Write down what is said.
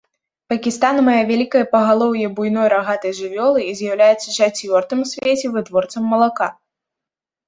Пакістан мае вялікае пагалоўе буйной рагатай жывёлы і з'яўляецца чацвёртым у свеце вытворцам малака.